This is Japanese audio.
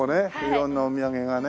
色んなお土産がね。